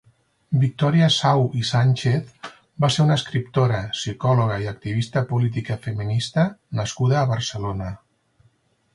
Victòria Sau i Sánchez va ser una escriptora, psicòloga i activista política feminista nascuda a Barcelona.